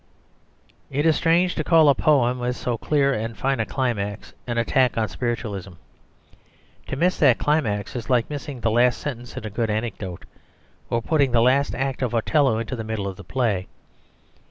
It is strange to call a poem with so clear and fine a climax an attack on spiritualism. To miss that climax is like missing the last sentence in a good anecdote, or putting the last act of Othello into the middle of the play.